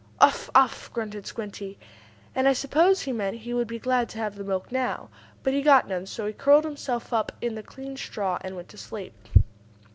"Uff! Uff!" grunted Squinty, and I suppose he meant he would be glad to have the milk now. But he got none, so he curled himself up in the clean straw and went to sleep.